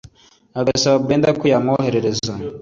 agasaba Brenda ko yamwoherereza